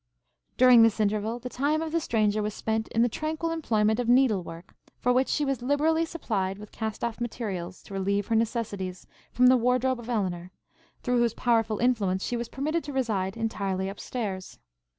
During this interval, the time of the stranger was spent in the tranquil employment of needle work, for which she was liberally supplied with cast off materials, to relieve her necessities, from the wardrobe of Elinor, through whose powerful influence she was permitted to reside entirely up stairs.